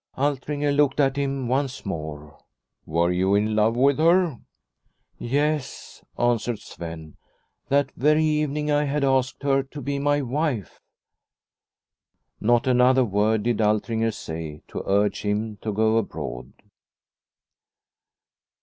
Altringer looked at him once more. " Were 1 68 Liliecrona's Home you in love with her ?"" Yes," answered Sven. " That very evening I had asked her to be my wife." Not another word did Altringer say to urge him to go abroad.